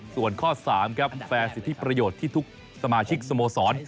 ส่วนข้อ๓ครับแฟร์สิทธิประโยชน์ที่ทุกสมาชิกสโมสร